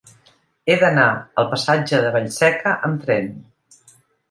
He d'anar al passatge de Vallseca amb tren.